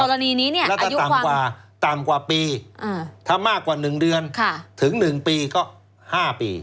กรณีนี้เนี่ยแล้วถ้าต่ำกว่าต่ำกว่าปีถ้ามากกว่า๑เดือนถึง๑ปีก็๕ปี